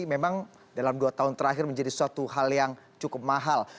memang dalam dua tahun terakhir menjadi suatu hal yang cukup mahal